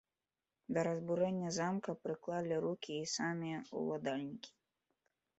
Да разбурэння замка прыклалі рукі і самі ўладальнікі.